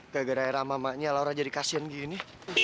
gak gara gara sama maknya laura jadi kasihan gini